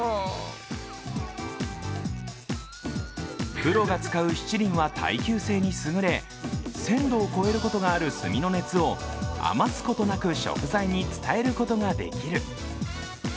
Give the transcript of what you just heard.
プロが使う七輪は耐久性に優れ１０００度を超えることがある炭の熱を余すことなく食材に伝えることができる。